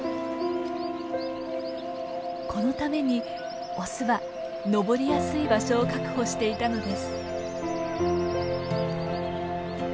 このためにオスは登りやすい場所を確保していたのです。